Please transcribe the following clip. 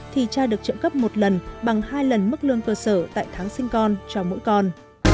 thì cha được trợ cấp một lần bằng hai lần mức lương cơ sở tại tháng sinh con cho mỗi con